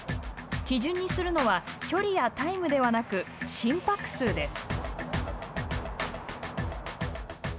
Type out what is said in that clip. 基準にするのは距離やタイムではなく心拍数です。